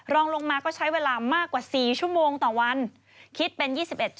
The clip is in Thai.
รองลงมาก็ใช้เวลามากกว่า๔ชั่วโมงต่อวันคิดเป็น๒๑